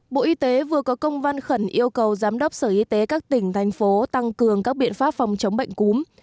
bộ y tế vừa có công văn khẩn yêu cầu giám đốc sở y tế các tỉnh thành phố tăng cường các biện pháp phòng chống bệnh cúm